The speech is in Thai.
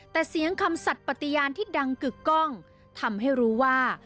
แต่เสียงคำสัตว์ปฏิญาณที่ดังกึกกล้องทำให้รู้ว่า